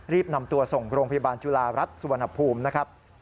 นำตัวส่งโรงพยาบาลจุฬารัฐสุวรรณภูมินะครับ